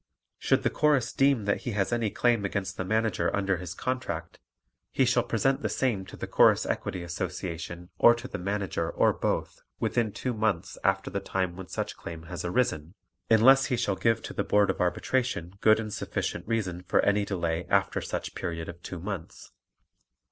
Should the Chorus deem that he has any claim against the Manager under his contract, he shall present the same to the Chorus Equity Association or to the Manager or both within two months after the time when such claim has arisen, unless he shall give to the Board of Arbitration good and sufficient reason for any delay after such period of two months.